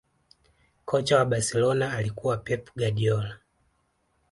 kocha wa barcelona alikuwa pep guardiola